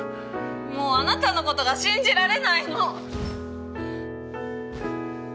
もうあなたのことが信じられないの！